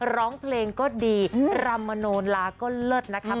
ร้องเพลงก็ดีรำมโนลาก็เลิศนะครับ